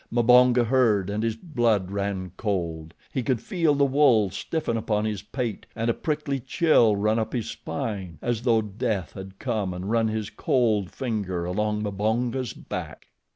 Mbonga heard and his blood ran cold. He could feel the wool stiffen upon his pate and a prickly chill run up his spine, as though Death had come and run his cold finger along Mbonga's back.